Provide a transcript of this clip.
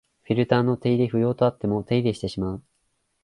フィルターの手入れ不要とあっても手入れしてしまう